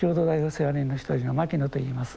世話人の一人の牧野と言います。